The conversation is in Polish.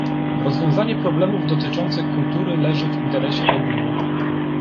Rozwiązanie problemów dotyczących kultury leży w interesie ogółu